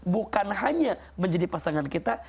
bukan hanya menjadi pasangan kita